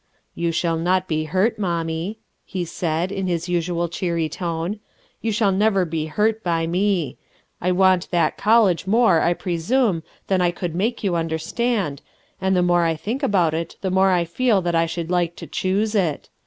"You shall not be hurt, mommie," he had said in his usual cheery tone. "You shall never be hurt by me I want that college more I presume than I could make you under stand, and the more I think about it the more I feel that I should like to choose it.